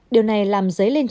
điều này làm giấy lên tranh